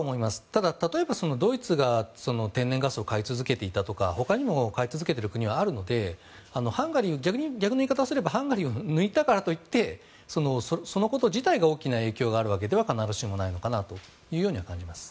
ただ、例えばドイツが天然ガスを買い続けていたとか他にも買い続けている国はあるので逆の言い方をすればハンガリーを抜いたからといってそのこと自体が大きな影響があるわけでは必ずしもないのかなと思います。